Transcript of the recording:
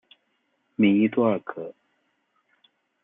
米伊多尔格。